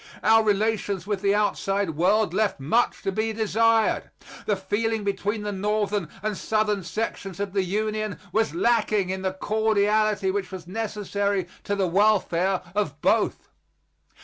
Our relations with the outside world left much to be desired. The feeling between the Northern and Southern sections of the Union was lacking in the cordiality which was necessary to the welfare of both.